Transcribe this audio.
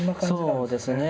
そうですね。